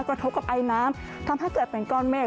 กระทบกับไอน้ำทำให้เกิดเป็นก้อนเมฆ